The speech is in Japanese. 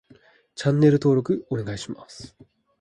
チャンネル登録お願いします